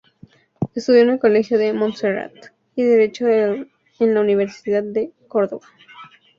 Estudió en el Colegio de Monserrat, y derecho en la Universidad de Córdoba.